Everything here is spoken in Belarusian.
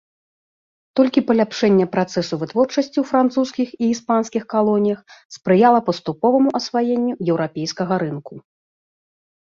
Толькі паляпшэнне працэсу вытворчасці ў французскіх і іспанскіх калоніях спрыяла паступоваму асваенню еўрапейскага рынку.